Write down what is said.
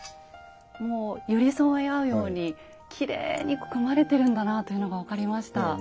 もう寄り添い合うようにきれいに組まれてるんだなというのが分かりました。